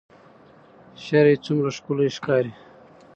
شرۍ څومره ښکلې ښکاري